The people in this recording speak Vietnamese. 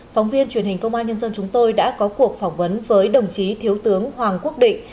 phóng viên truyền hình công an nhân dân chúng tôi đã có cuộc phỏng vấn với đồng chí thiếu tướng hoàng quốc định